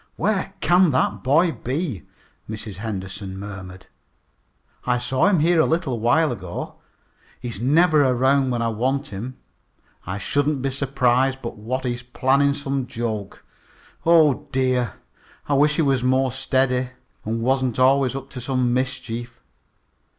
"Where can that boy be?" Mrs. Henderson murmured. "I saw him here a little while ago. He's never around when I want him. I shouldn't be surprised but what he was planning some joke. Oh, dear! I wish he was more steady, and wasn't always up to some mischief.